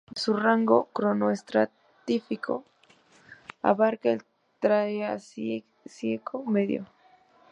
Su rango cronoestratigráfico abarca el Triásico medio.